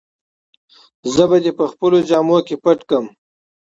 زه به دي په خپلو جامو کي پټ کړم.